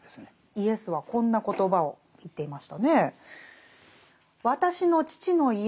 イエスはこんな言葉を言っていましたねえ。